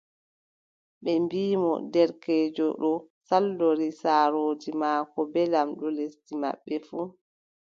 Ɓe mbii mo : derkeejo ɗo saldori saarooji maako bee lamɗo lesdi maɓɓe fuu,